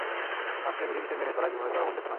শাস্ত্রের বিধিনিষেধ মেনে চলাই জীবনের চরম উদ্দেশ্য নয়।